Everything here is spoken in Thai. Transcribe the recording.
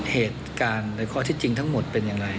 เหตุการณ์ในข้อที่จริงทั้งหมดเป็นอย่างไร